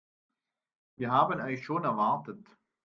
Wir haben euch schon erwartet.